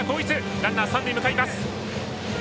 ランナー、三塁へ向かいます。